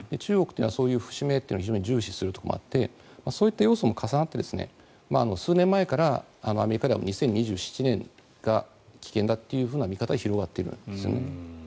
習近平氏は軍を重視するという姿勢もあってそういった要素も重なって数年前からアメリカでは２０２７年が危険だという見方が広がっているんですね。